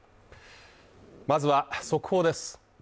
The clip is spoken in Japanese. まずは速報です。